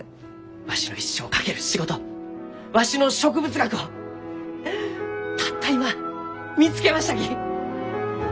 わしの一生を懸ける仕事わしの植物学をたった今見つけましたき！